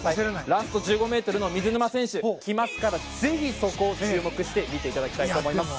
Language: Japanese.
ラスト１５ｍの水沼選手来ますからぜひ、そこを注目して見ていただきたいと思います。